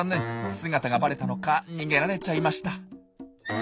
姿がバレたのか逃げられちゃいました。